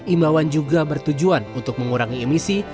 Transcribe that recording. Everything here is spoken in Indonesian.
imbauan juga bertujuan untuk mengurangi emisi